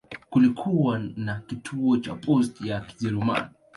Kulikuwa na kituo cha posta ya Kijerumani.